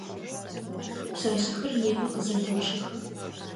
Пшъашъэхэр непэ къызэдэчъэх.